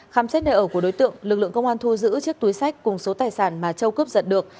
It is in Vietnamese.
khám xét nơi ở của đối tượng lực lượng công an thu giữ chiếc túi sách cùng số tài sản mà châu cướp giật được